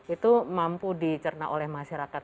itu mampu dicerna oleh masyarakat